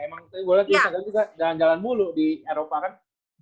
emang tadi gue liat lu jalan jalan juga jalan jalan mulu di eropa kan